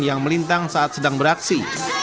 yang melintang saat sedang beraksi